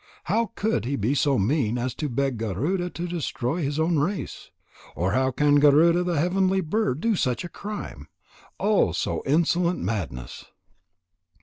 How could he be so mean as to beg Garuda to destroy his own race? Or how can Garuda, the heavenly bird, do such a crime? Oh, insolent madness!"